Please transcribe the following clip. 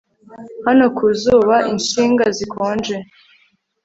hano ku zuba insinga zikonje